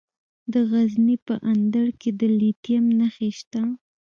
د غزني په اندړ کې د لیتیم نښې شته.